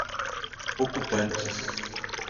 ocupantes